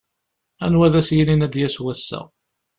Anwa ad as-yinin a d-yass wass-a.